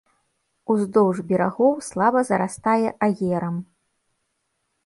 Уздоўж берагоў слаба зарастае аерам.